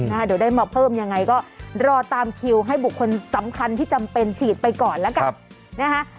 เดี๋ยวได้มาเพิ่มยังไงก็รอตามคิวให้บุคคลสำคัญที่จำเป็นฉีดไปก่อนแล้วกันนะคะ